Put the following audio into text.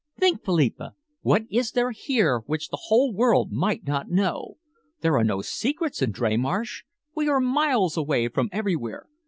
"Think, Philippa! What is there here which the whole world might not know? There are no secrets in Dreymarsh. We are miles away from everywhere.